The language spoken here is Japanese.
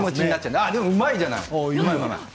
でも、うまいじゃない。